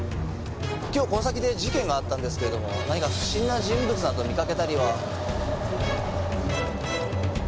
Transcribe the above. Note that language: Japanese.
今日この先で事件があったんですけれども何か不審な人物など見かけたりは。